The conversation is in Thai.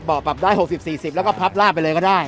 เบาะปรับได้หกสิบสี่สิบแล้วก็พับร่าไปเลยก็ได้